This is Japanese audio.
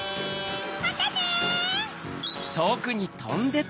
またね！